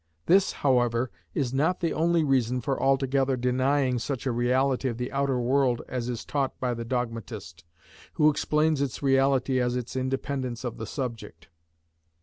This, however, is not the only reason for altogether denying such a reality of the outer world as is taught by the dogmatist, who explains its reality as its independence of the subject.